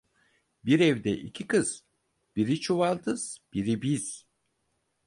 Bir evde iki kız, biri çuvaldız biri biz.